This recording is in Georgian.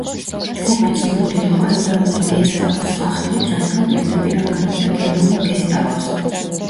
ჯგუფი ცნობილი იყო ებრაული გესტაპოს სახელით, რადგან პირდაპირ აბარებდა გერმანულ გესტაპოს.